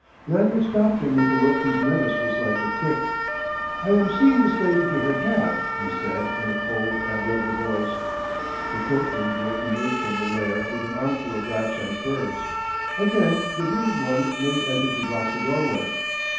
Lanyard stopped him with a look whose menace was like a kick. "I am seeing this lady to her cab," he said in a cold and level voice. The coat room girl emerged from her lair with an armful of wraps and furs. Again the bearded one made as if to block the doorway.